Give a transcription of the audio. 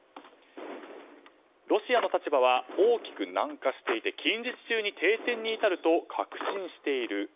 ロシアの立場は大きく軟化していて近日中に停戦に至ると確信している。